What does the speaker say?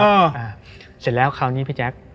เสร็จแล้วคราวนี้พี่แจ๊ค